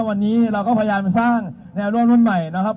วันนี้เราก็พยายามสร้างแนวร่วมรุ่นใหม่นะครับ